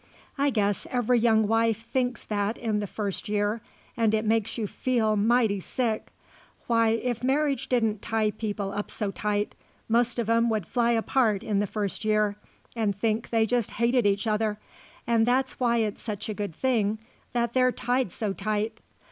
I guess every young wife thinks that in the first year, and it makes you feel mighty sick. Why, if marriage didn't tie people up so tight, most of 'em would fly apart in the first year and think they just hated each other, and that's why it's such a good thing that they're tied so tight.